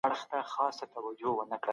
موسکا د زړه دوا ده